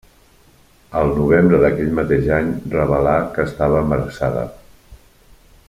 El novembre d'aquell mateix any revelà que estava embarassada.